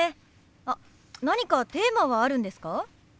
あっ何かテーマはあるんですか？